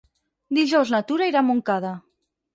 Dijous na Tura irà a Montcada.